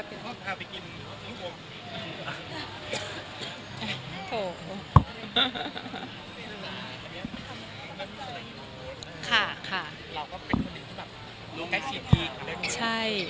นีโม่ไหม